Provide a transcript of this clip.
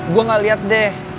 gue gak liat deh